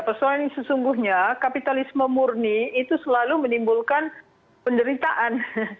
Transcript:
persoalan yang sesungguhnya kapitalisme murni itu selalu menimbulkan penderitaan